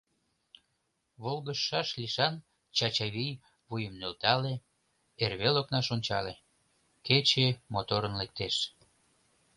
Волгыжшаш лишан Чачавий вуйым нӧлтале, эрвел окнаш ончале: кече моторын лектеш.